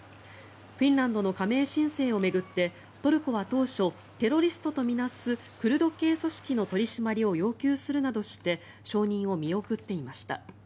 フィンランドの加盟申請を巡ってトルコは当初テロリストと見なすクルド系組織の取り締まりを要求するなどして承認を見送っていました。